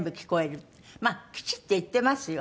まあきちって言ってますよ。